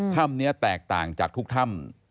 ถ้ำนี้แตกต่างจากทุกถ้ำ